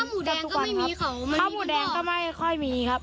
ข้าวหมูแดงก็ไม่มีเขามันก็ข้าวหมูแดงก็ไม่ค่อยมีครับ